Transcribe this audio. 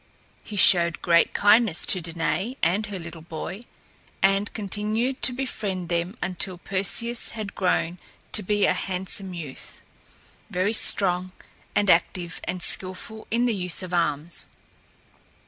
He showed great kindness to Danaë and her little boy, and continued to befriend them until Perseus had grown to be a handsome youth, very strong and active and skilful in the use of arms.